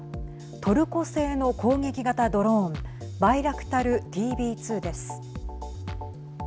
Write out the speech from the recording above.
トルコ製の攻撃型ドローンバイラクタルＴＢ２です。